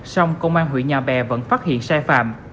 xong công an hủy nhà bè vẫn phát hiện sai phạm